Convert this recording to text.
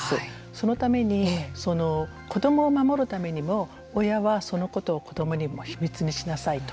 そのために子どもを守るためにも親は、そのことを子どもにも秘密にしなさいと。